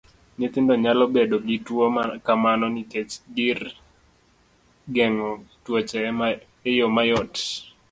Nyithindo nyalo bedo gi tuwo makamano nikech gir geng'o tuoche eyo mayot.